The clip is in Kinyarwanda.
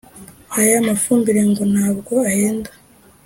Aya mafumbire ngo ntabwo ahenda